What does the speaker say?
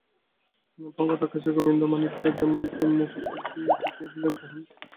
প্রভাত-আকাশে গোবিন্দমাণিক্য যে প্রেমমুখচ্ছবি দেখিয়াছিলেন তাহা কোথায় মিলাইয়া গেল।